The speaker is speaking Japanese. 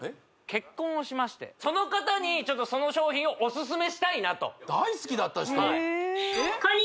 結婚をしましてその方にちょっとその商品をおすすめしたいなと大好きだった人？